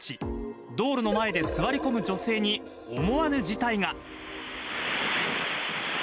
道路の前で座り込む女性に思わぬ事態が。